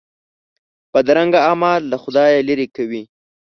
بدرنګه اعمال له خدایه لیرې کوي